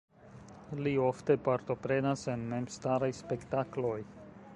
Li ofte partoprenas en memstaraj spektakloj.